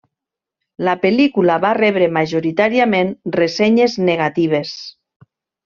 La pel·lícula va rebre majoritàriament ressenyes negatives.